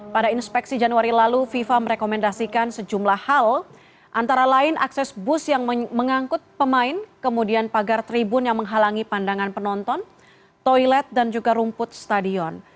pada inspeksi januari lalu fifa merekomendasikan sejumlah hal antara lain akses bus yang mengangkut pemain kemudian pagar tribun yang menghalangi pandangan penonton toilet dan juga rumput stadion